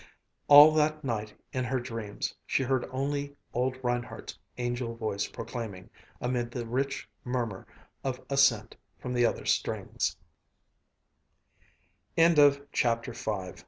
All that night in her dreams she heard only old Reinhardt's angel voice proclaiming, amid the rich murmur of assent from the other strings: CHAPTER